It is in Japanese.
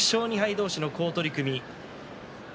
同士の好取組。